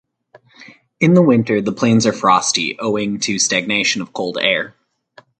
In the winter the plains are frosty owing to stagnation of cold air.